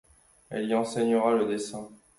Elle y enseignera le dessin.